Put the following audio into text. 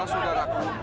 tenang sudah aku